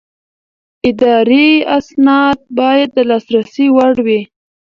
اداري اسناد باید د لاسرسي وړ وي.